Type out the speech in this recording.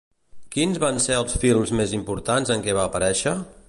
Quins van ser els films més importants en què va aparèixer?